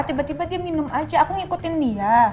tiba tiba dia minum aja aku ngikutin dia